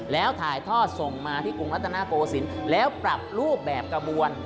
แล้วถ่ายท่อส่งมาที่กรุงรัฐนาโกศิลป์แล้วปรับรูปแบบกระบวน